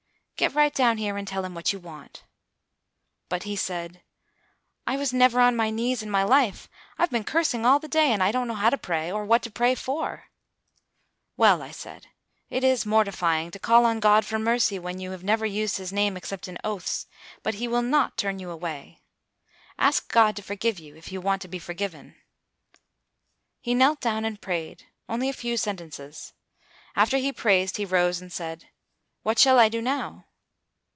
"Get right down here and tell him what you want." "But," he said, "I was never on my knees in my life. I have been cursing all the day, and I don't know how to pray, or what to pray for." "Well," I said, "it is mortifying to call on God for mercy when you have never used his name except in oaths, but he will not turn you away. Ask God to forgive you, if you want to be forgiven." He knelt down and prayed, only a few sentences. After he prayed, he rose and said, "What shall I do now?"